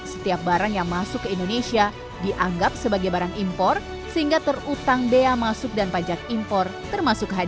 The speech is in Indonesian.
setiap barang yang masuk ke indonesia dianggap sebagai barang impor sehingga terutang bea masuk dan pajak impor termasuk hadiah